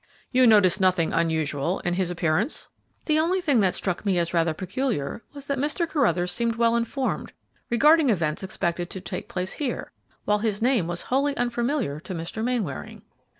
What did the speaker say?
"You noticed nothing unusual in his appearance?" "The only thing that struck me as rather peculiar was that Mr. Carruthers seemed well informed regarding events expected to take place here, while his name was wholly unfamiliar to Mr. Mainwaring."